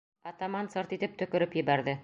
Атаман сырт итеп төкөрөп ебәрҙе: